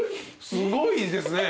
すごいですね。